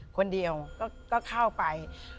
คนเดียวก็เข้าไป